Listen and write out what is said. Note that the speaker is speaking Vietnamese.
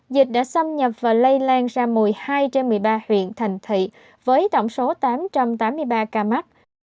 dịch đã xâm nhập và lây lan ra một mươi hai trên một mươi ba huyện thành thị với tổng số tám trăm tám mươi ba ca mắc